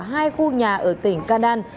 hai khu nhà ở tỉnh canan